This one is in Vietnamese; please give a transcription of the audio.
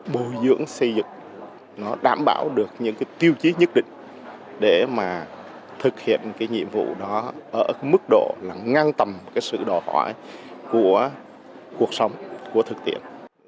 bồi dưỡng xây dựng nó đảm bảo được những cái tiêu chí nhất định để mà thực hiện cái nhiệm vụ đó ở mức độ là ngang tầm cái sự đòi hỏi của cuộc sống của thực tiễn